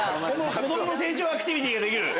子供の成長アクティビティーができる？